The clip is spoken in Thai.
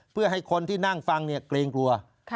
เพื่อให้คนที่นั่งฟังเกรงกลัว